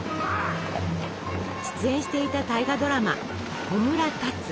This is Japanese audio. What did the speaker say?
出演していた大河ドラマ「炎立つ」。